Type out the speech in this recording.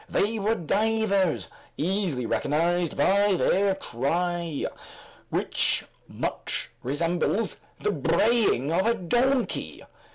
They were divers, easily recognized by their cry, which much resembles the braying of a donkey.